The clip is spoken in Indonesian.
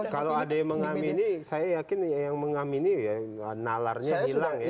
kalau ada yang mengamini saya yakin yang mengamini ya nalarnya hilang ya